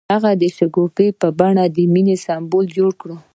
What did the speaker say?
هغه د شګوفه په بڼه د مینې سمبول جوړ کړ.